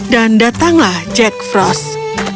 dan datanglah jack frost